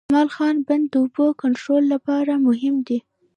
کمال خان بند د اوبو کنټرول لپاره مهم دی